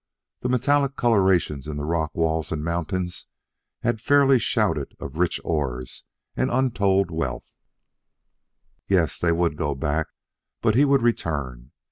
The metallic colorations in rock walls and mountains had fairly shouted of rich ores and untold wealth. Yes, they would go back, but he would return.